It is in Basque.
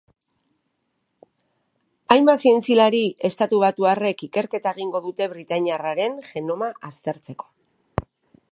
Hainbat zientzialari estatubatuarrek ikerketa egingo dute britainiarraren genoma aztertzeko.